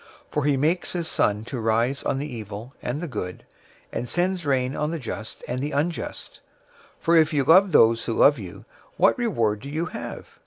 For he makes his sun to rise on the evil and the good, and sends rain on the just and the unjust. 005:046 For if you love those who love you, what reward do you have?